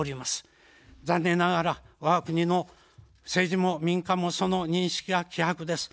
残念ながら、わが国の政治も民間も、その認識が希薄です。